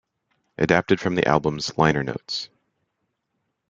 Adapted from the album's liner notes.